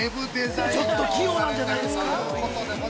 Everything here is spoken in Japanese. ◆ちょっと器用なんじゃないですか。